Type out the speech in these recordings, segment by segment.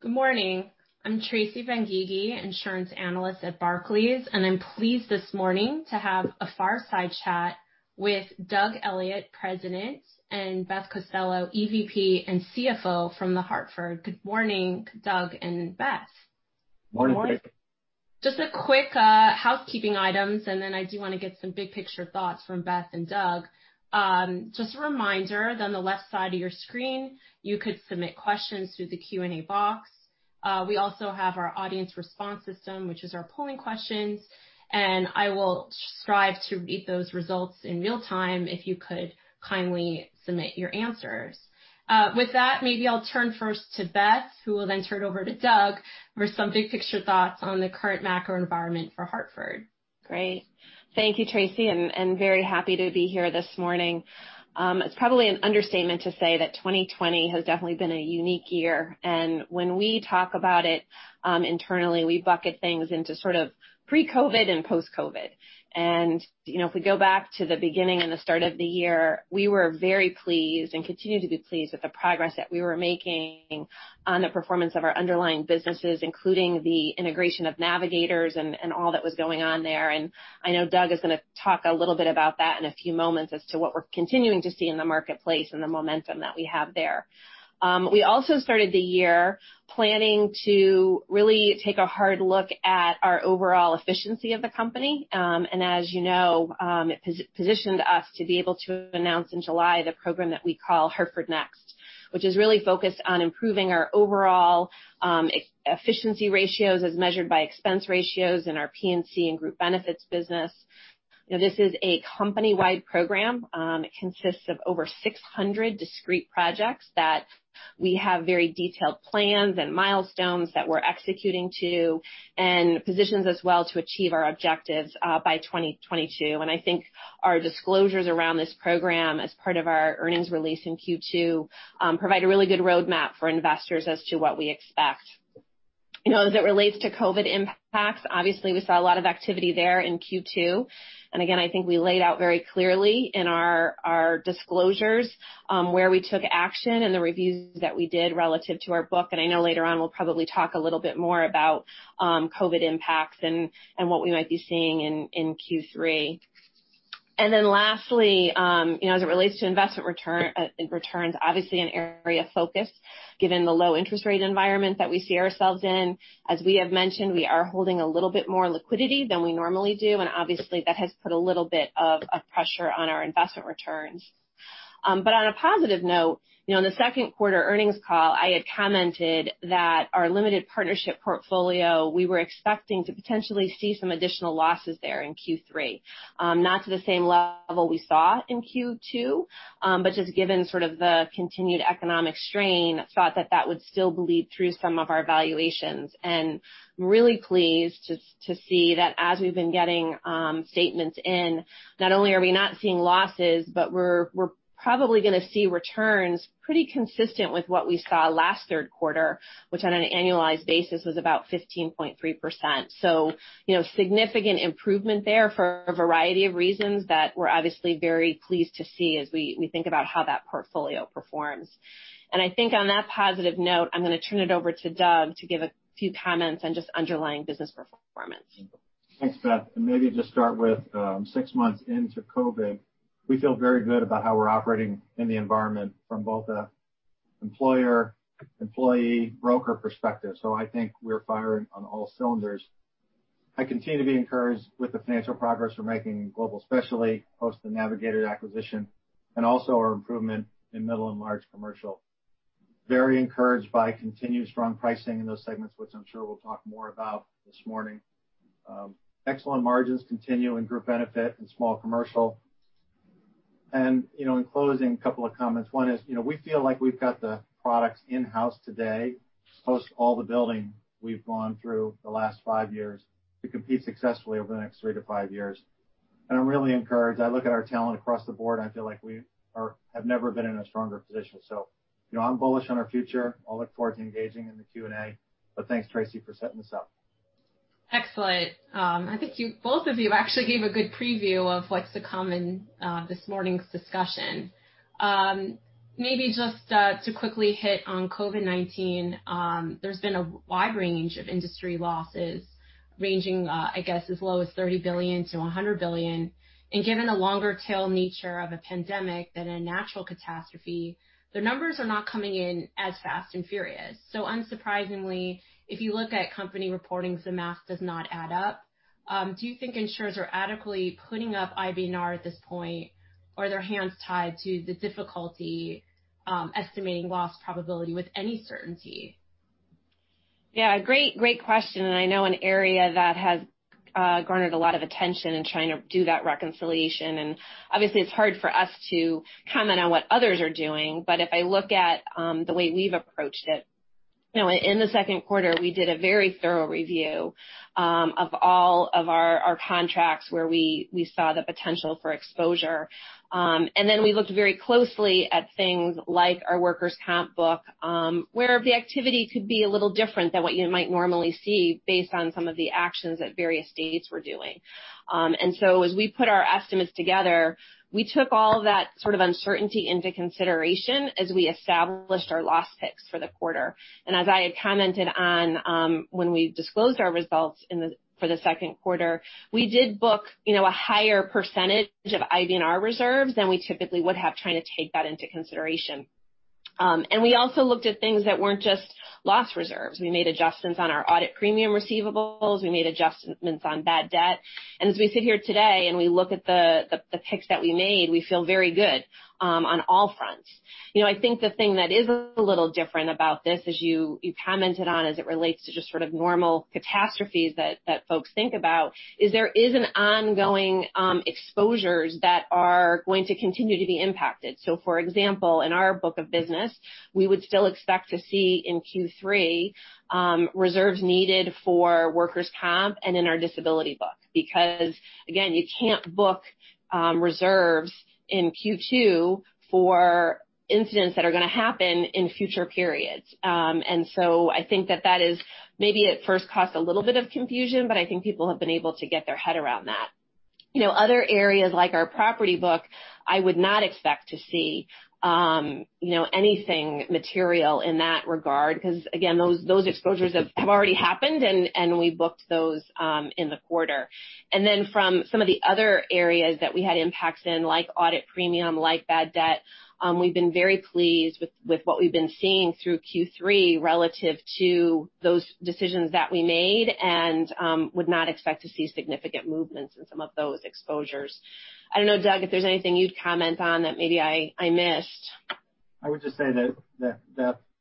Good morning. I'm Tracy Dolin-Benguigui, insurance analyst at Barclays. I'm pleased this morning to have a fireside chat with Doug Elliot, President, and Beth Costello, EVP and CFO from The Hartford. Good morning, Doug and Beth. Morning. Morning. Just quick housekeeping items. Then I do want to get some big-picture thoughts from Beth and Doug. Just a reminder that on the left side of your screen, you could submit questions through the Q&A box. We also have our audience response system, which is our polling questions. I will strive to read those results in real time if you could kindly submit your answers. With that, maybe I'll turn first to Beth, who will then turn it over to Doug for some big-picture thoughts on the current macro environment for The Hartford. Great. Thank you, Tracy. Very happy to be here this morning. It's probably an understatement to say that 2020 has definitely been a unique year. When we talk about it internally, we bucket things into sort of pre-COVID and post-COVID. If we go back to the beginning and the start of the year, we were very pleased and continue to be pleased with the progress that we were making on the performance of our underlying businesses, including the integration of Navigators and all that was going on there. I know Doug is going to talk a little bit about that in a few moments as to what we're continuing to see in the marketplace and the momentum that we have there. We also started the year planning to really take a hard look at our overall efficiency of the company. As you know, it positioned us to be able to announce in July the program that we call Hartford Next, which is really focused on improving our overall efficiency ratios as measured by expense ratios in our P&C and group benefits business. This is a company-wide program. It consists of over 600 discrete projects that we have very detailed plans and milestones that we're executing to and positions us well to achieve our objectives by 2022. I think our disclosures around this program as part of our earnings release in Q2 provide a really good roadmap for investors as to what we expect. As it relates to COVID impacts, obviously, we saw a lot of activity there in Q2. I think we laid out very clearly in our disclosures, where we took action and the reviews that we did relative to our book, I know later on, we'll probably talk a little bit more about COVID-19 impacts and what we might be seeing in Q3. Lastly, as it relates to investment returns, obviously an area of focus given the low interest rate environment that we see ourselves in. As we have mentioned, we are holding a little bit more liquidity than we normally do, and obviously, that has put a little bit of pressure on our investment returns. On a positive note, in the second quarter earnings call, I had commented that our limited partnership portfolio, we were expecting to potentially see some additional losses there in Q3. Not to the same level we saw in Q2, but just given sort of the continued economic strain, thought that that would still bleed through some of our valuations. I'm really pleased to see that as we've been getting statements in, not only are we not seeing losses, but we're probably going to see returns pretty consistent with what we saw last third quarter, which on an annualized basis was about 15.3%. Significant improvement there for a variety of reasons that we're obviously very pleased to see as we think about how that portfolio performs. I think on that positive note, I'm going to turn it over to Doug to give a few comments on just underlying business performance. Thanks, Beth. Maybe just start with six months into COVID-19, we feel very good about how we're operating in the environment from both the employer, employee, broker perspective. I think we're firing on all cylinders. I continue to be encouraged with the financial progress we're making in Global Specialty post the Navigators acquisition, and also our improvement in Middle & Large Commercial. Very encouraged by continued strong pricing in those segments, which I'm sure we'll talk more about this morning. Excellent margins continue in group benefits and Small Commercial. In closing, couple of comments. One is, we feel like we've got the products in-house today, post all the building we've gone through the last five years to compete successfully over the next three to five years. I'm really encouraged. I look at our talent across the board, and I feel like we have never been in a stronger position. I'm bullish on our future. I'll look forward to engaging in the Q&A, but thanks, Tracy, for setting this up. Excellent. I think both of you actually gave a good preview of what's to come in this morning's discussion. Maybe just to quickly hit on COVID-19. There's been a wide range of industry losses ranging, I guess, as low as $30 billion-$100 billion. Given the longer tail nature of a pandemic than a natural catastrophe, the numbers are not coming in as fast and furious. Unsurprisingly, if you look at company reportings, the math does not add up. Do you think insurers are adequately putting up IBNR at this point, or are their hands tied to the difficulty estimating loss probability with any certainty? Yeah. Great question, and I know an area that has garnered a lot of attention in trying to do that reconciliation. Obviously, it's hard for us to comment on what others are doing. If I look at the way we've approached it, in the second quarter, we did a very thorough review of all of our contracts where we saw the potential for exposure. Then we looked very closely at things like our workers' comp book, where the activity could be a little different than what you might normally see based on some of the actions that various states were doing. As we put our estimates together, we took all that sort of uncertainty into consideration as we established our loss picks for the quarter. As I had commented on when we disclosed our results for the second quarter, we did book a higher percentage of IBNR reserves than we typically would have trying to take that into consideration. We also looked at things that weren't just loss reserves. We made adjustments on our audit premium receivables. We made adjustments on bad debt. As we sit here today and we look at the picks that we made, we feel very good on all fronts. I think the thing that is a little different about this as you commented on as it relates to just sort of normal catastrophes that folks think about is there is an ongoing exposures that are going to continue to be impacted. For example, in our book of business, we would still expect to see in Q3 reserves needed for workers' comp and in our disability book, because again, you can't book reserves in Q2 for incidents that are going to happen in future periods. I think that that is maybe at first caused a little bit of confusion, but I think people have been able to get their head around that. Other areas like our property book, I would not expect to see anything material in that regard, because again, those exposures have already happened, and we booked those in the quarter. From some of the other areas that we had impacts in, like audit premium, like bad debt, we've been very pleased with what we've been seeing through Q3 relative to those decisions that we made and would not expect to see significant movements in some of those exposures. I don't know, Doug, if there's anything you'd comment on that maybe I missed. I would just say that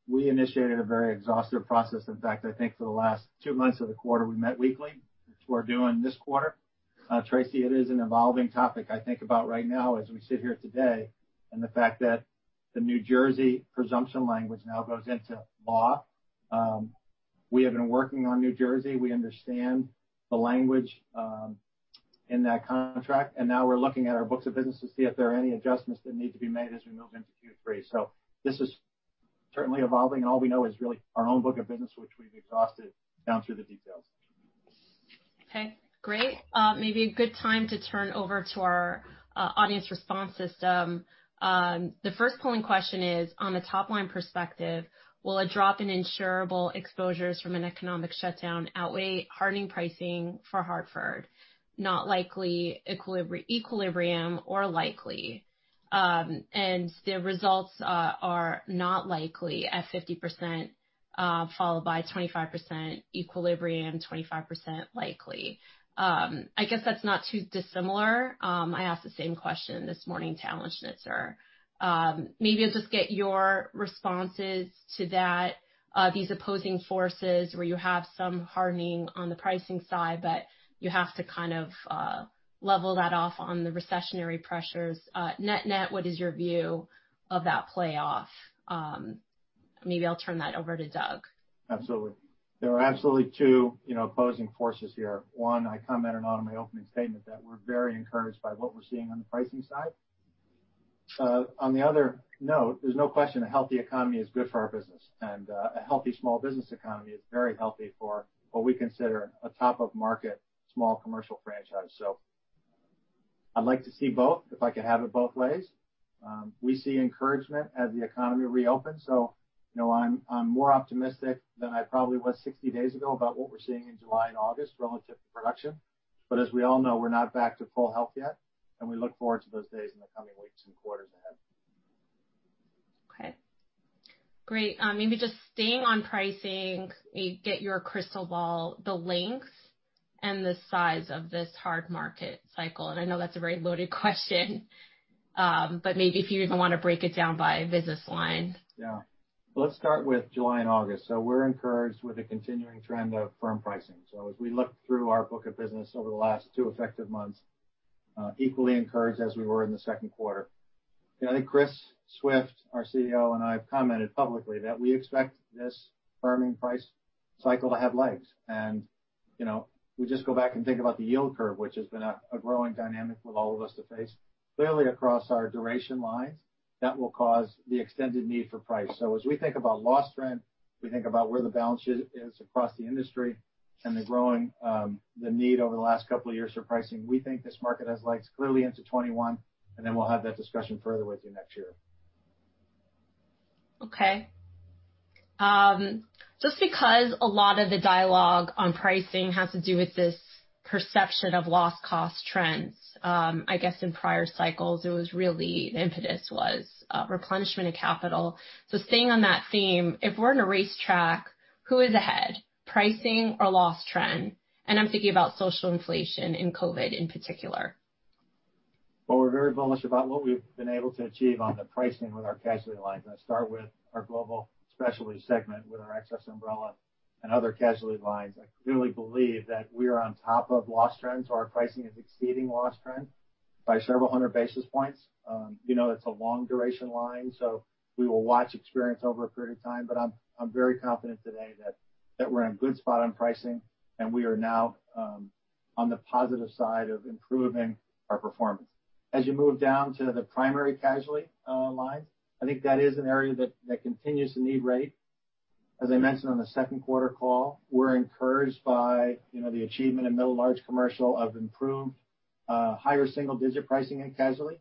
we initiated a very exhaustive process. I think for the last two months of the quarter, we met weekly, which we're doing this quarter. Tracy, it is an evolving topic. I think about right now as we sit here today and the fact that the New Jersey presumption language now goes into law. We have been working on New Jersey. We understand the language in that contract, and now we're looking at our books of business to see if there are any adjustments that need to be made as we move into Q3. This is certainly evolving. All we know is really our own book of business, which we've exhausted down through the details. Okay, great. Maybe a good time to turn over to our audience response system. The first polling question is, on the top-line perspective, will a drop in insurable exposures from an economic shutdown outweigh hardening pricing for The Hartford? Not likely, equilibrium, or likely. The results are not likely at 50%, followed by 25% equilibrium, 25% likely. I guess that's not too dissimilar. I asked the same question this morning to Alan Schnitzer. Maybe I'll just get your responses to that, these opposing forces where you have some hardening on the pricing side, but you have to kind of level that off on the recessionary pressures. Net, what is your view of that playoff? Maybe I'll turn that over to Doug. Absolutely. There are absolutely two opposing forces here. One, I commented on in my opening statement that we're very encouraged by what we're seeing on the pricing side. There's no question a healthy economy is good for our business. A healthy small business economy is very healthy for what we consider a top-of-market Small Commercial franchise. I'd like to see both, if I could have it both ways. We see encouragement as the economy reopens, so I'm more optimistic than I probably was 60 days ago about what we're seeing in July and August relative to production. As we all know, we're not back to full health yet, and we look forward to those days in the coming weeks and quarters ahead. Okay. Great. Maybe just staying on pricing, maybe get your crystal ball, the length and the size of this hard market cycle, I know that's a very loaded question, but maybe if you even want to break it down by business line. Yeah. Let's start with July and August. We're encouraged with a continuing trend of firm pricing. As we look through our book of business over the last two effective months, equally encouraged as we were in the second quarter. I think Chris Swift, our CEO, and I have commented publicly that we expect this firming price cycle to have legs. We just go back and think about the yield curve, which has been a growing dynamic with all of us to face. Clearly across our duration lines, that will cause the extended need for price. As we think about loss trend, we think about where the balance is across the industry and the need over the last couple of years for pricing. We think this market has legs clearly into 2021, then we'll have that discussion further with you next year. Okay. Just because a lot of the dialogue on pricing has to do with this perception of loss cost trends, I guess in prior cycles, it was really the impetus was replenishment of capital. Staying on that theme, if we're in a race track, who is ahead, pricing or loss trend? I'm thinking about social inflation and COVID-19 in particular. Well, we're very bullish about what we've been able to achieve on the pricing with our casualty lines. I start with our Global Specialty segment with our excess umbrella and other casualty lines. I clearly believe that we are on top of loss trends, our pricing is exceeding loss trend by several hundred basis points. It's a long-duration line, we will watch experience over a period of time. I'm very confident today that we're in a good spot on pricing, we are now on the positive side of improving our performance. As you move down to the primary casualty lines, I think that is an area that continues to need rate. As I mentioned on the second quarter call, we're encouraged by the achievement in Middle & Large Commercial of improved higher single-digit pricing in casualty.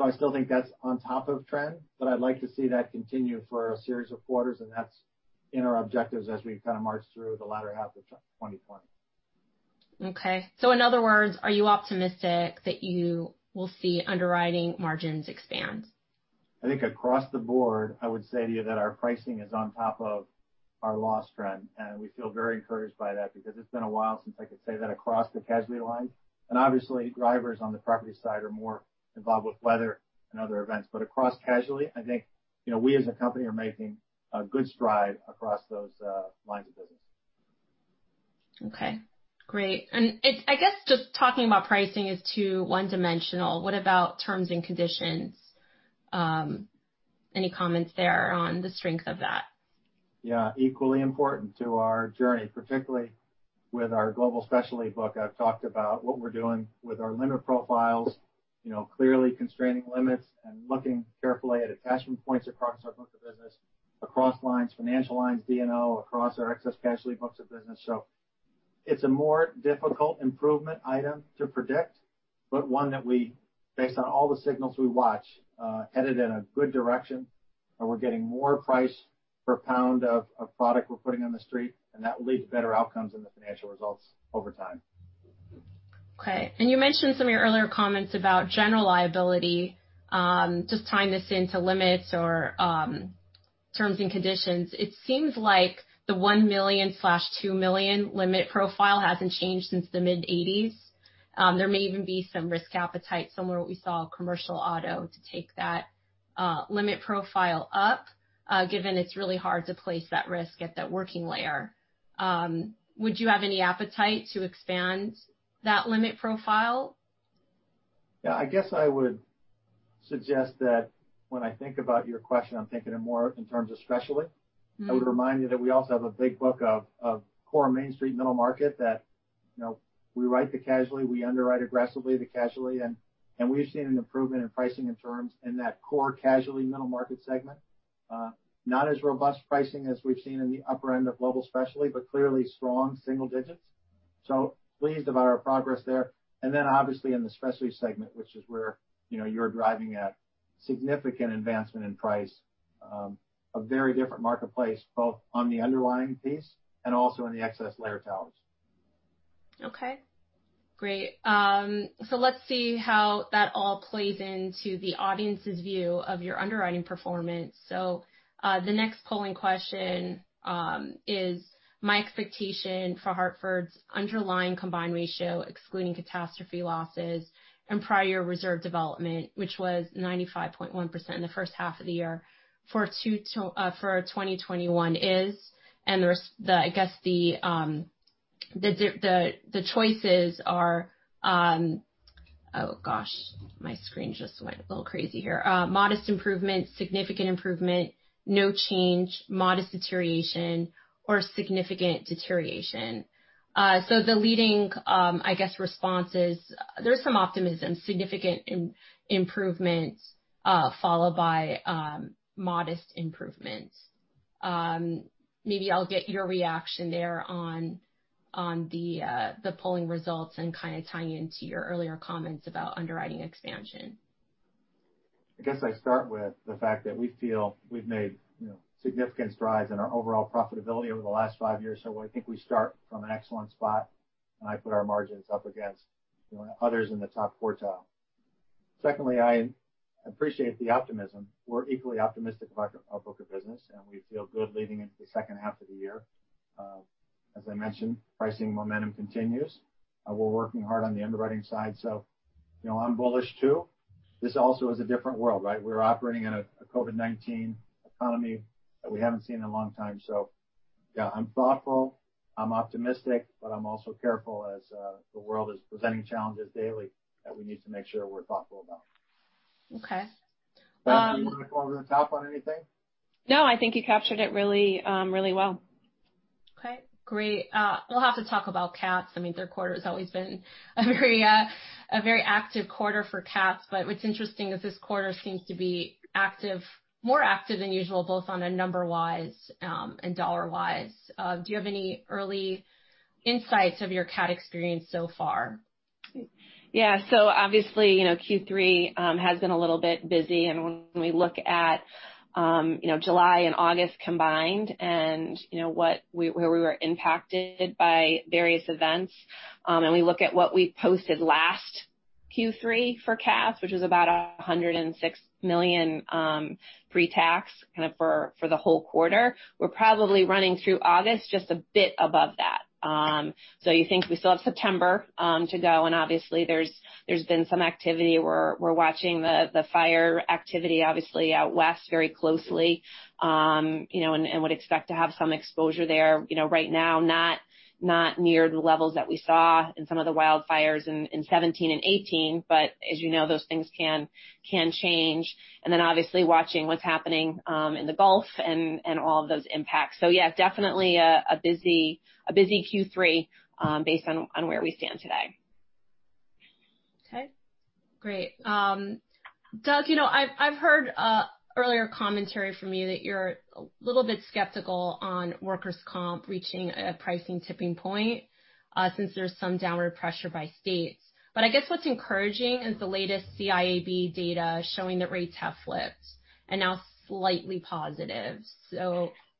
I still think that is on top of trend, but I would like to see that continue for a series of quarters, and that is in our objectives as we kind of march through the latter half of 2020. Okay. In other words, are you optimistic that you will see underwriting margins expand? I think across the board, I would say to you that our pricing is on top of our loss trend, and we feel very encouraged by that because it has been a while since I could say that across the casualty line. Obviously, drivers on the property side are more involved with weather and other events. Across casualty, I think we as a company are making a good stride across those lines of business. Okay, great. I guess just talking about pricing is too one-dimensional. What about terms and conditions? Any comments there on the strength of that? Yeah. Equally important to our journey, particularly with our Global Specialty book. I've talked about what we're doing with our limit profiles, clearly constraining limits and looking carefully at attachment points across our book of business, across lines, financial lines, D&O, across our excess casualty books of business. It's a more difficult improvement item to predict, but one that we, based on all the signals we watch, headed in a good direction, and we're getting more price per pound of product we're putting on the street, and that will lead to better outcomes in the financial results over time. Okay. You mentioned some of your earlier comments about general liability. Just tying this into limits or terms and conditions, it seems like the $1 million/$2 million limit profile hasn't changed since the mid-1980s. There may even be some risk appetite similar to what we saw commercial auto to take that limit profile up, given it's really hard to place that risk at that working layer. Would you have any appetite to expand that limit profile? Yeah, I guess I would suggest that when I think about your question, I'm thinking it more in terms of specialty. I would remind you that we also have a big book of core Main Street middle market that we write the casualty, we underwrite aggressively the casualty, and we've seen an improvement in pricing and terms in that core casualty middle market segment. Not as robust pricing as we've seen in the upper end of Global Specialty, but clearly strong single digits. Pleased about our progress there. Obviously in the specialty segment, which is where you're driving at significant advancement in price, a very different marketplace, both on the underlying piece and also in the excess layer towers. Okay, great. Let's see how that all plays into the audience's view of your underwriting performance. The next polling question is my expectation for The Hartford's underlying combined ratio, excluding catastrophe losses and prior reserve development, which was 95.1% in the first half of the year for 2021 is I guess the choices are Oh, gosh, my screen just went a little crazy here. Modest improvement, significant improvement, no change, modest deterioration, or significant deterioration. The leading responses, there's some optimism, significant improvements, followed by modest improvements. Maybe I'll get your reaction there on the polling results and kind of tie into your earlier comments about underwriting expansion. I guess I start with the fact that we feel we've made significant strides in our overall profitability over the last five years. I think we start from an excellent spot, and I put our margins up against others in the top quartile. Secondly, I appreciate the optimism. We're equally optimistic about our book of business, and we feel good leading into the second half of the year. As I mentioned, pricing momentum continues. We're working hard on the underwriting side, I'm bullish too. This also is a different world, right? We're operating in a COVID-19 economy that we haven't seen in a long time. Yeah, I'm thoughtful, I'm optimistic, but I'm also careful as the world is presenting challenges daily that we need to make sure we're thoughtful about. Okay. Beth, do you want to go over the top on anything? No, I think you captured it really well. Okay, great. We'll have to talk about cats. I mean, third quarter's always been a very active quarter for cats, but what's interesting is this quarter seems to be more active than usual, both on a number wise and dollar wise. Do you have any early insights of your cat experience so far? Yeah. Obviously, Q3 has been a little bit busy, and when we look at July and August combined, and where we were impacted by various events, and we look at what we posted last Q3 for cats, which was about $106 million pretax kind of for the whole quarter, we're probably running through August just a bit above that. You think we still have September to go, and obviously there's been some activity. We're watching the fire activity, obviously, out west very closely, and would expect to have some exposure there. Right now not near the levels that we saw in some of the wildfires in 2017 and 2018, but as you know, those things can change. Obviously watching what's happening in the Gulf and all of those impacts. Yeah, definitely a busy Q3, based on where we stand today. Okay, great. Doug, I've heard earlier commentary from you that you're a little bit skeptical on workers' comp reaching a pricing tipping point since there's some downward pressure by states. I guess what's encouraging is the latest CIAB data showing that rates have flipped and now slightly positive.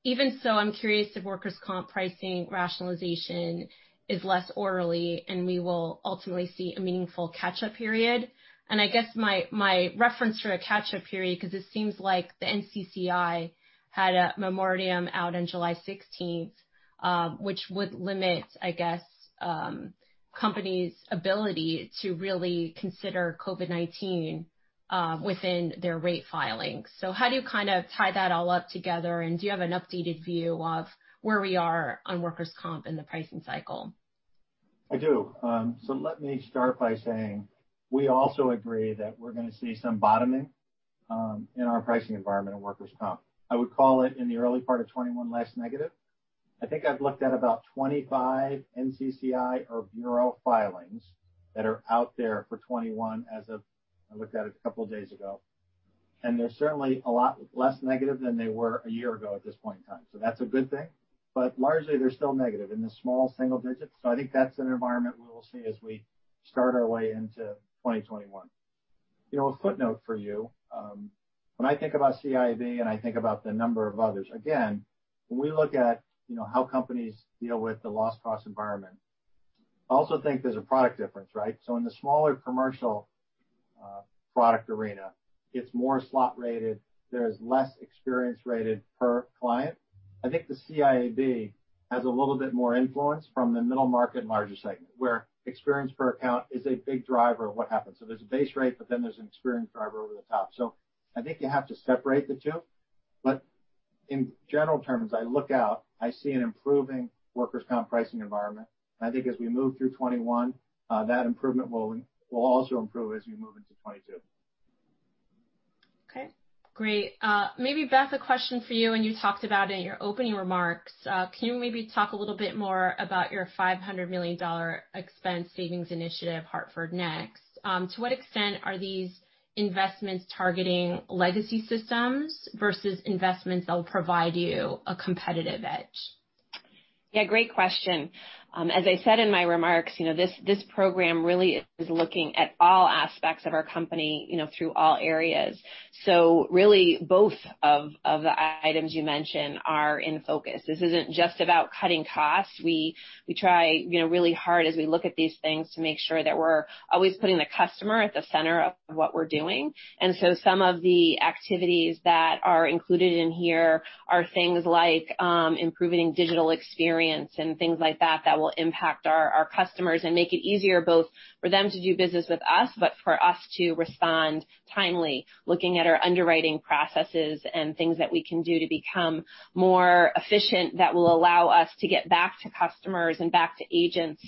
Even so, I'm curious if workers' comp pricing rationalization is less orderly, and we will ultimately see a meaningful catch-up period. I guess my reference for a catch-up period, because it seems like the NCCI had a memorandum out on July 16th, which would limit, I guess, companies' ability to really consider COVID-19 within their rate filings. How do you kind of tie that all up together? Do you have an updated view of where we are on workers' comp in the pricing cycle? I do. Let me start by saying, we also agree that we're going to see some bottoming in our pricing environment in workers' comp. I would call it in the early part of 2021, less negative. I think I've looked at about 25 NCCI or Bureau filings that are out there for 2021 as of I looked at it a couple of days ago. They're certainly a lot less negative than they were a year ago at this point in time. That's a good thing. Largely, they're still negative in the small single digits. I think that's an environment we will see as we start our way into 2021. A footnote for you. When I think about CIAB, and I think about the number of others, again, when we look at how companies deal with the loss cost environment, I also think there's a product difference, right? In the smaller commercial product arena, it's more slot-rated, there is less experience rated per client. I think the CIAB has a little bit more influence from the middle market and larger segment, where experience per account is a big driver of what happens. There's a base rate, but then there's an experience driver over the top. I think you have to separate the two. In general terms, I look out, I see an improving workers' comp pricing environment. I think as we move through 2021, that improvement will also improve as we move into 2022. Okay, great. Maybe Beth, a question for you, and you talked about in your opening remarks. Can you maybe talk a little bit more about your $500 million expense savings initiative, Hartford Next? To what extent are these investments targeting legacy systems versus investments that will provide you a competitive edge? Yeah, great question. As I said in my remarks, this program really is looking at all aspects of our company through all areas. Really both of the items you mentioned are in focus. This isn't just about cutting costs. We try really hard as we look at these things to make sure that we're always putting the customer at the center of what we're doing. Some of the activities that are included in here are things like improving digital experience and things like that will impact our customers and make it easier both for them to do business with us, but for us to respond timely, looking at our underwriting processes and things that we can do to become more efficient that will allow us to get back to customers and back to agents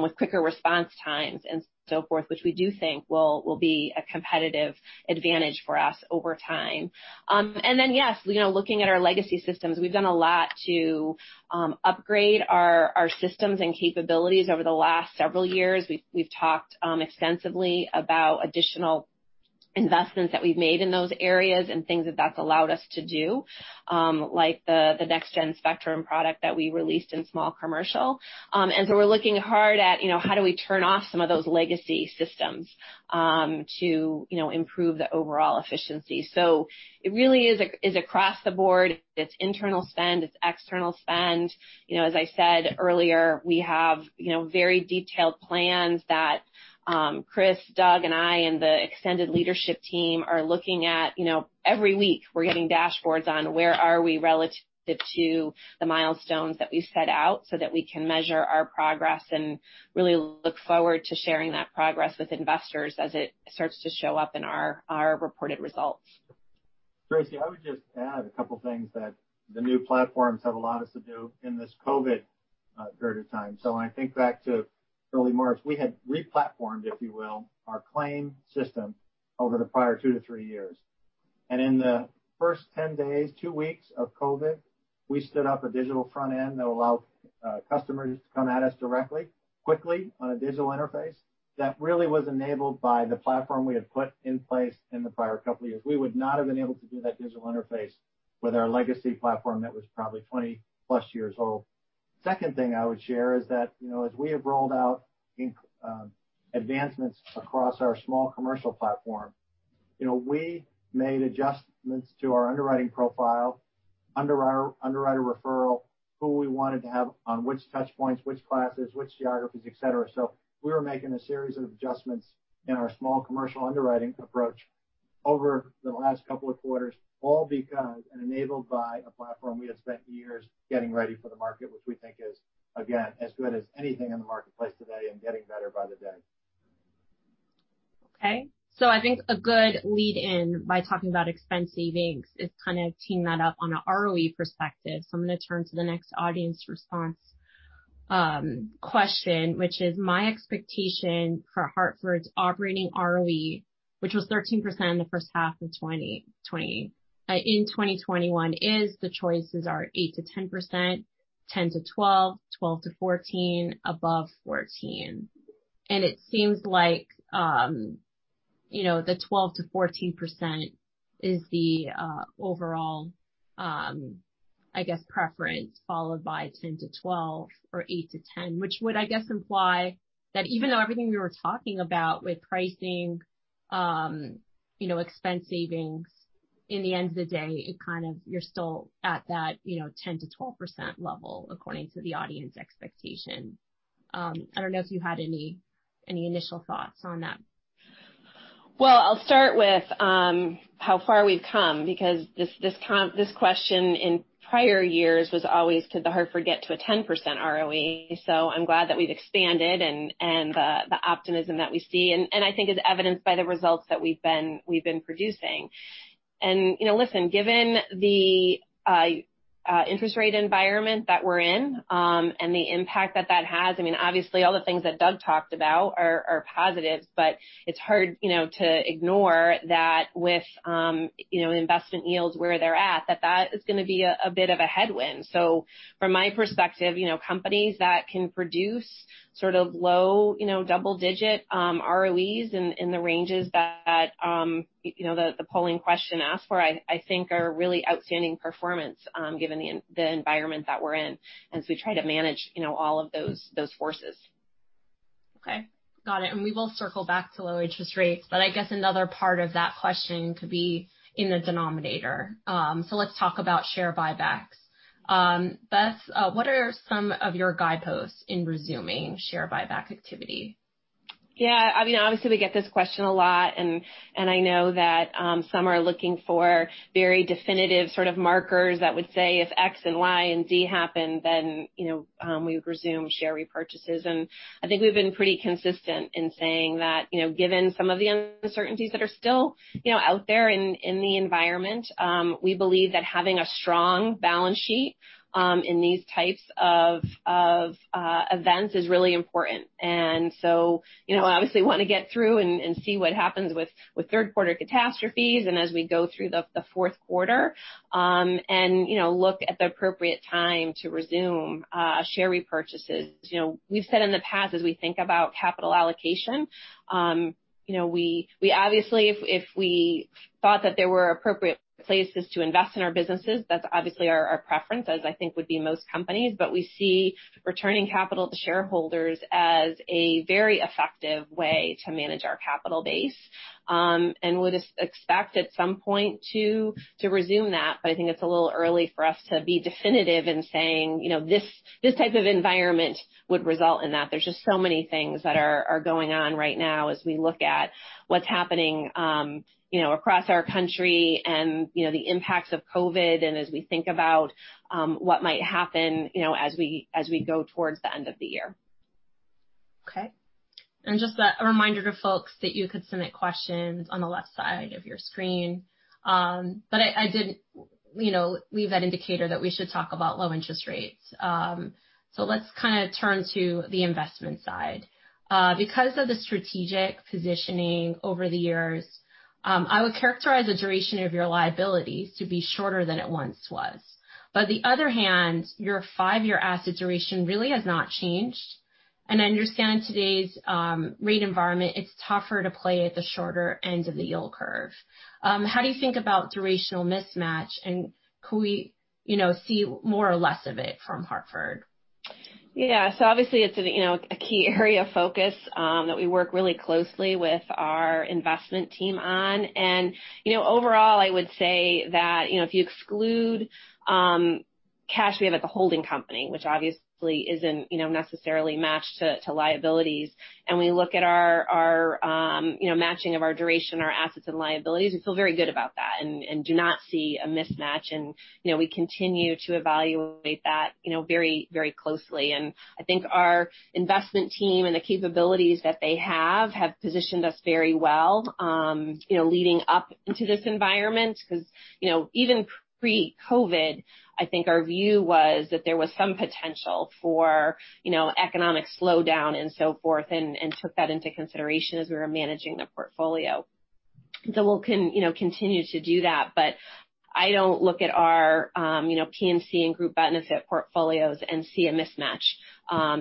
with quicker response times and so forth, which we do think will be a competitive advantage for us over time. Then, yes, looking at our legacy systems, we've done a lot to upgrade our systems and capabilities over the last several years. We've talked extensively about additional investments that we've made in those areas and things that that's allowed us to do, like the Next Gen Spectrum product that we released in Small Commercial. We're looking hard at how do we turn off some of those legacy systems to improve the overall efficiency. It really is across the board. It's internal spend. It's external spend. As I said earlier, we have very detailed plans that Chris, Doug, and I, and the extended leadership team are looking at. Every week we're getting dashboards on where are we relative to the milestones that we set out so that we can measure our progress, and really look forward to sharing that progress with investors as it starts to show up in our reported results. Tracy, I would just add a couple of things that the new platforms have allowed us to do in this COVID period of time. When I think back to early March, we had re-platformed, if you will, our claim system over the prior 2 to 3 years. In the first 10 days, 2 weeks of COVID, we stood up a digital front end that allowed customers to come at us directly, quickly on a digital interface that really was enabled by the platform we had put in place in the prior couple of years. We would not have been able to do that digital interface with our legacy platform that was probably 20-plus years old. Second thing I would share is that as we have rolled out advancements across our Small Commercial platform, we made adjustments to our underwriting profile, underwriter referral, who we wanted to have on which touchpoints, which classes, which geographies, et cetera. We were making a series of adjustments in our Small Commercial underwriting approach over the last couple of quarters, all because and enabled by a platform we had spent years getting ready for the market, which we think is, again, as good as anything in the marketplace today and getting better by the day. Okay. I think a good lead in by talking about expense savings is kind of teeing that up on an ROE perspective. I'm going to turn to the next audience response question, which is my expectation for The Hartford's operating ROE, which was 13% in the first half in 2021, is, the choices are 8%-10%, 10%-12%, 12%-14%, above 14%. It seems like, the 12%-14% is the overall, I guess, preference, followed by 10%-12% or 8%-10%, which would, I guess, imply that even though everything we were talking about with pricing, expense savings in the end of the day, you're still at that 10%-12% level according to the audience expectation. I don't know if you had any initial thoughts on that. I'll start with how far we've come, because this question in prior years was always could The Hartford get to a 10% ROE? I'm glad that we've expanded and the optimism that we see and I think is evidenced by the results that we've been producing. Listen, given the interest rate environment that we're in, and the impact that that has, obviously all the things that Doug talked about are positives, but it's hard to ignore that with investment yields where they're at, that that is going to be a bit of a headwind. From my perspective, companies that can produce low double-digit ROEs in the ranges that the polling question asked for, I think are really outstanding performance given the environment that we're in as we try to manage all of those forces. Okay. Got it. We will circle back to low interest rates, but I guess another part of that question could be in the denominator. Let's talk about share buybacks. Beth, what are some of your guideposts in resuming share buyback activity? Yeah. Obviously, we get this question a lot, and I know that some are looking for very definitive sort of markers that would say if X and Y and Z happen, then we would resume share repurchases. I think we've been pretty consistent in saying that, given some of the uncertainties that are still out there in the environment, we believe that having a strong balance sheet, in these types of events is really important. Obviously want to get through and see what happens with third quarter catastrophes, and as we go through the fourth quarter, and look at the appropriate time to resume share repurchases. We've said in the past as we think about capital allocation, obviously if we thought that there were appropriate places to invest in our businesses, that's obviously our preference, as I think would be most companies. We see returning capital to shareholders as a very effective way to manage our capital base, and would expect at some point to resume that. I think it's a little early for us to be definitive in saying this type of environment would result in that. There's just so many things that are going on right now as we look at what's happening across our country and the impacts of COVID and as we think about what might happen as we go towards the end of the year. Okay. Just a reminder to folks that you could submit questions on the left side of your screen. I did leave that indicator that we should talk about low interest rates. Let's kind of turn to the investment side. Because of the strategic positioning over the years, I would characterize the duration of your liabilities to be shorter than it once was. On the other hand, your 5-year asset duration really has not changed. I understand today's rate environment, it's tougher to play at the shorter end of the yield curve. How do you think about durational mismatch, and could we see more or less of it from The Hartford? Yeah. Obviously it's a key area of focus that we work really closely with our investment team on. Overall, I would say that if you exclude cash we have at the holding company, which obviously isn't necessarily matched to liabilities, and we look at our matching of our duration, our assets and liabilities, we feel very good about that and do not see a mismatch. We continue to evaluate that very closely. I think our investment team and the capabilities that they have positioned us very well leading up into this environment, because even pre-COVID, I think our view was that there was some potential for economic slowdown and so forth, and took that into consideration as we were managing the portfolio. We'll continue to do that, but I don't look at our P&C and group benefits portfolios and see a mismatch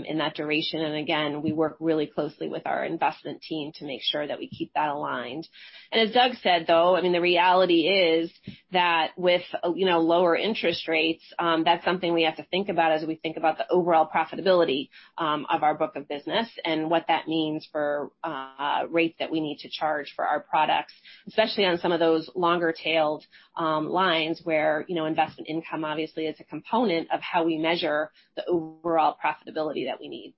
in that duration. Again, we work really closely with our investment team to make sure that we keep that aligned. As Doug said, though, the reality is that with lower interest rates, that's something we have to think about as we think about the overall profitability of our book of business and what that means for rates that we need to charge for our products, especially on some of those longer tailed lines where investment income obviously is a component of how we measure the overall profitability that we need.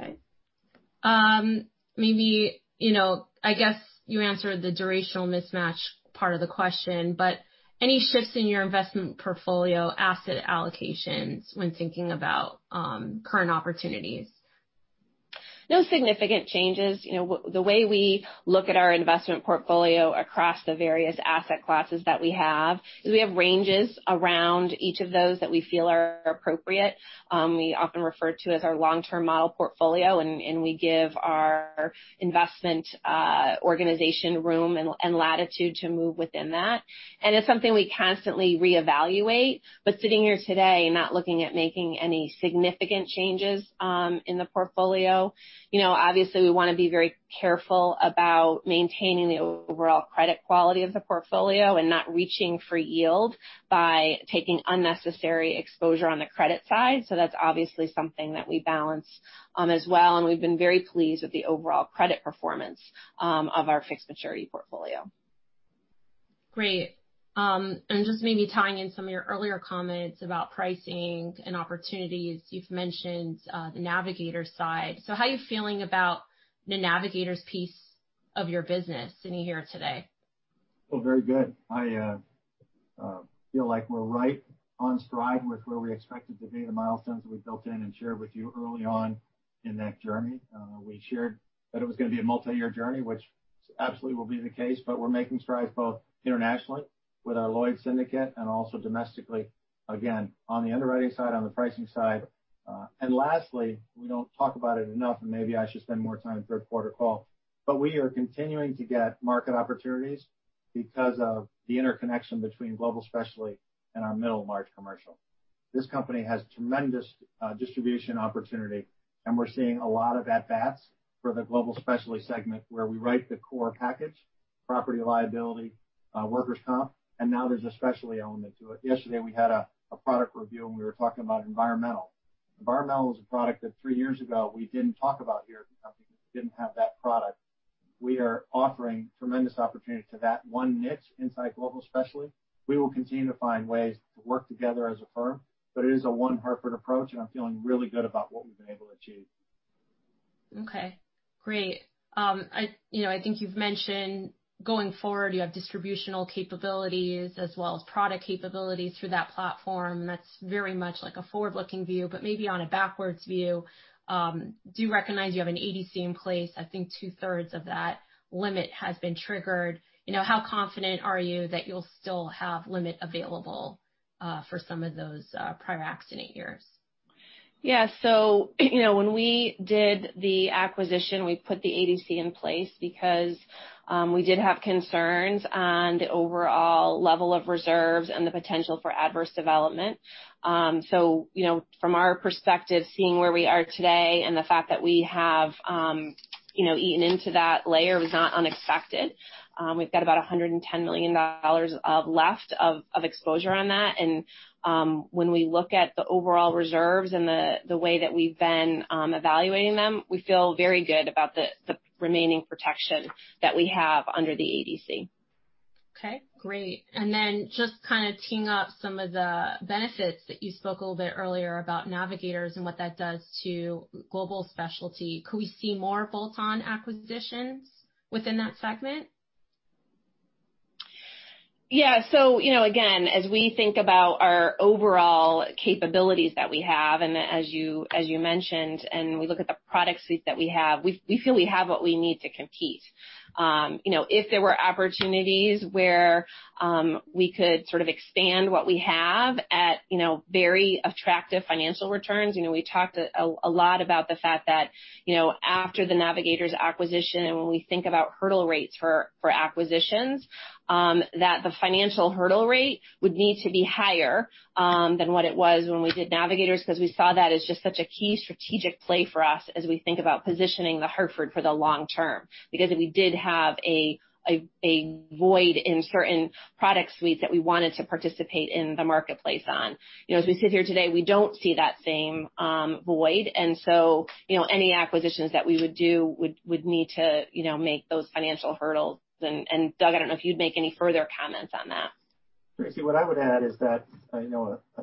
Okay. I guess you answered the durational mismatch part of the question, any shifts in your investment portfolio asset allocations when thinking about current opportunities? No significant changes. The way we look at our investment portfolio across the various asset classes that we have, is we have ranges around each of those that we feel are appropriate. We often refer to as our long-term model portfolio, and we give our investment organization room and latitude to move within that. It's something we constantly reevaluate. Sitting here today, not looking at making any significant changes in the portfolio. Obviously, we want to be very careful about maintaining the overall credit quality of the portfolio and not reaching for yield by taking unnecessary exposure on the credit side. That's obviously something that we balance as well, and we've been very pleased with the overall credit performance of our fixed maturity portfolio. Great. Just maybe tying in some of your earlier comments about pricing and opportunities. You've mentioned the Navigators side. How you feeling about the Navigators piece of your business, sitting here today? Feel very good. I feel like we're right on stride with where we expected to be, the milestones that we built in and shared with you early on in that journey. We shared that it was going to be a multi-year journey, which absolutely will be the case, we're making strides both internationally with our Lloyd's Syndicate and also domestically, again, on the underwriting side, on the pricing side. Lastly, we don't talk about it enough, maybe I should spend more time in third quarter call, we are continuing to get market opportunities because of the interconnection between Global Specialty and our Middle & Large Commercial. This company has tremendous distribution opportunity, we're seeing a lot of at-bats for the Global Specialty segment, where we write the core package, property liability, workers' comp, now there's a specialty element to it. Yesterday, we had a product review, we were talking about environmental. Environmental is a product that three years ago we didn't talk about here at the company because we didn't have that product. We are offering tremendous opportunity to that one niche inside Global Specialty. We will continue to find ways to work together as a firm, it is a one Hartford approach, I'm feeling really good about what we've been able to achieve. Okay, great. I think you've mentioned, going forward, you have distributional capabilities as well as product capabilities through that platform. That's very much like a forward-looking view, but maybe on a backwards view, do you recognize you have an ADC in place? I think two-thirds of that limit has been triggered. How confident are you that you'll still have limit available for some of those prior accident years? Yeah. When we did the acquisition, we put the ADC in place because we did have concerns on the overall level of reserves and the potential for adverse development. From our perspective, seeing where we are today and the fact that we have eaten into that layer was not unexpected. We've got about $110 million left of exposure on that, and when we look at the overall reserves and the way that we've been evaluating them, we feel very good about the remaining protection that we have under the ADC. Okay, great. Just kind of teeing up some of the benefits that you spoke a little bit earlier about Navigators and what that does to Global Specialty. Could we see more bolt-on acquisitions within that segment? Yeah. Again, as we think about our overall capabilities that we have, and as you mentioned, and we look at the product suite that we have, we feel we have what we need to compete. If there were opportunities where we could sort of expand what we have at very attractive financial returns. We talked a lot about the fact that after the Navigators acquisition, and when we think about hurdle rates for acquisitions, that the financial hurdle rate would need to be higher than what it was when we did Navigators, because we saw that as just such a key strategic play for us as we think about positioning The Hartford for the long term. Because we did have a void in certain product suites that we wanted to participate in the marketplace on. As we sit here today, we don't see that same void, any acquisitions that we would do would need to make those financial hurdles. Doug, I don't know if you'd make any further comments on that. Tracy, what I would add is that, a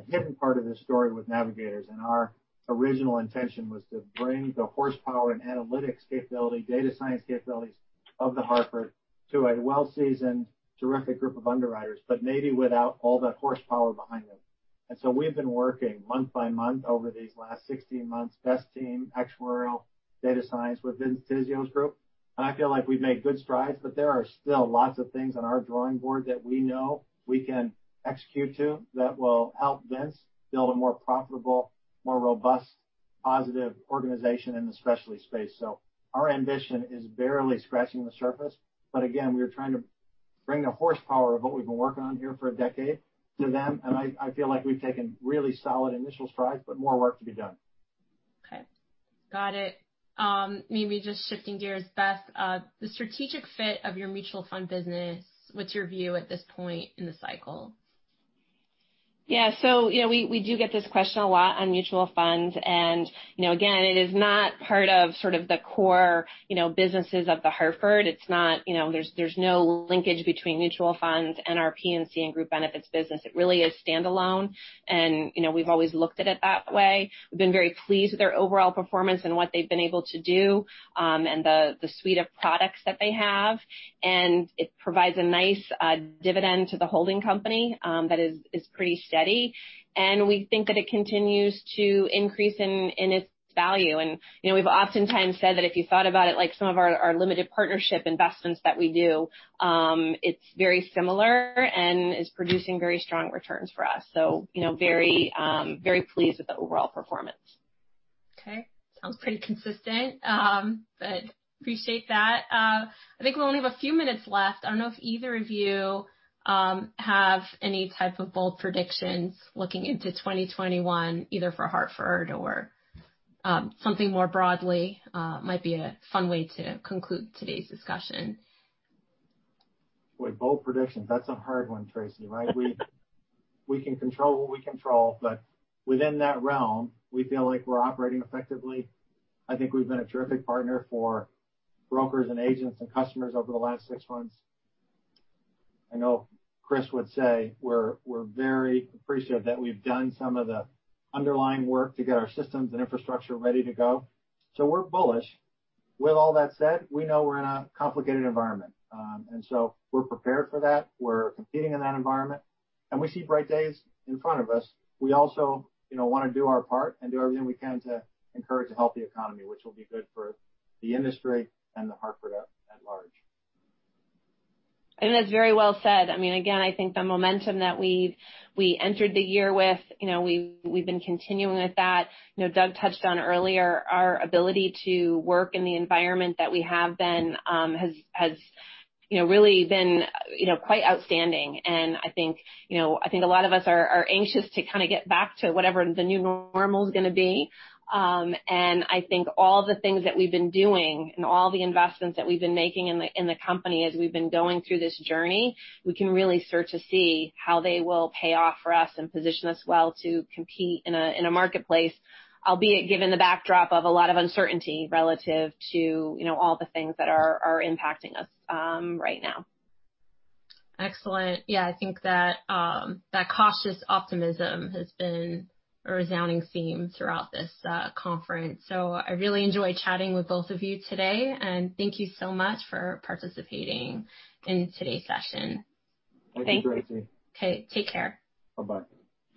hidden part of this story with Navigators and our original intention was to bring the horsepower and analytics capability, data science capabilities of The Hartford to a well-seasoned, terrific group of underwriters, but maybe without all the horsepower behind them. We've been working month by month over these last 16 months, best team, actuarial, data science within Zizzio's group. I feel like we've made good strides, but there are still lots of things on our drawing board that we know we can execute to that will help Vince build a more profitable, more robust, positive organization in the specialty space. Our ambition is barely scratching the surface, but again, we are trying to bring the horsepower of what we've been working on here for a decade to them, and I feel like we've taken really solid initial strides, but more work to be done. Okay. Got it. Maybe just shifting gears, Beth, the strategic fit of your mutual fund business, what's your view at this point in the cycle? We do get this question a lot on mutual funds, again, it is not part of sort of the core businesses of The Hartford. There's no linkage between mutual funds and our P&C and group benefits business. It really is standalone, and we've always looked at it that way. We've been very pleased with their overall performance and what they've been able to do. The suite of products that they have. It provides a nice dividend to the holding company that is pretty steady, and we think that it continues to increase in its value. We've oftentimes said that if you thought about it like some of our limited partnership investments that we do, it's very similar and is producing very strong returns for us. Very pleased with the overall performance. Okay. Sounds pretty consistent. Appreciate that. I think we only have a few minutes left. I don't know if either of you have any type of bold predictions looking into 2021, either for Hartford or something more broadly. Might be a fun way to conclude today's discussion. Boy, bold predictions. That's a hard one, Tracy, right? We can control what we control, but within that realm, we feel like we're operating effectively. I think we've been a terrific partner for brokers and agents and customers over the last six months. I know Chris would say we're very appreciative that we've done some of the underlying work to get our systems and infrastructure ready to go. We're bullish. With all that said, we know we're in a complicated environment. We're prepared for that. We're competing in that environment, and we see bright days in front of us. We also want to do our part and do everything we can to encourage a healthy economy, which will be good for the industry and The Hartford at large. I think that's very well said. Again, I think the momentum that we entered the year with, we've been continuing with that. Doug touched on earlier our ability to work in the environment that we have been has really been quite outstanding, and I think a lot of us are anxious to kind of get back to whatever the new normal's going to be. I think all the things that we've been doing and all the investments that we've been making in the company as we've been going through this journey, we can really start to see how they will pay off for us and position us well to compete in a marketplace, albeit given the backdrop of a lot of uncertainty relative to all the things that are impacting us right now. Excellent. Yeah, I think that cautious optimism has been a resounding theme throughout this conference. I really enjoyed chatting with both of you today, thank you so much for participating in today's session. Thank you. Thank you, Tracy. Okay, take care. Bye-bye.